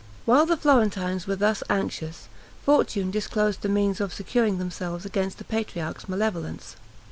While the Florentines were thus anxious, fortune disclosed the means of securing themselves against the patriarch's malevolence.